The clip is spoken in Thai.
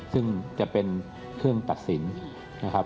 ซึ่งจะเป็นเครื่องตัดสินนะครับ